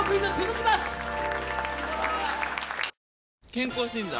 健康診断？